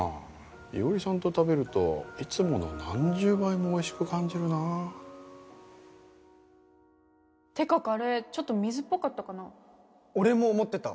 伊織さんと食べるといつもの何十倍もおいしく感じるな。ってかカレーちょっと水っぽかった俺も思ってた。